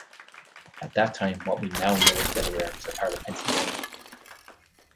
At that time what we now know as Delaware was a part of Pennsylvania.